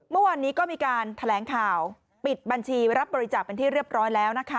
เมื่อวานนี้ก็มีการแถลงข่าวปิดบัญชีรับบริจาคเป็นที่เรียบร้อยแล้วนะคะ